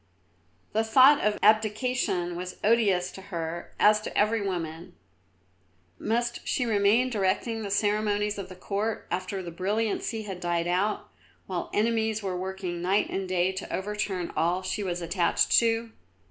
The thought of abdication was odious to her, as to every woman. Must she remain directing the ceremonies of the Court after the brilliancy had died out, while enemies were working night and day to overturn all that she was attached to?